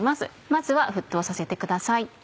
まずは沸騰させてください。